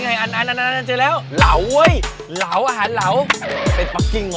หลาวอาหารหลาวเป็นปะกิ่งเหรอ